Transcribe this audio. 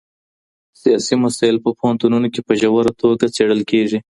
سياسي مسايل په پوهنتونونو کي په ژوره توګه څېړل کېږي.